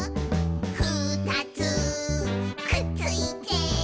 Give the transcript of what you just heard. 「ふたつくっついて」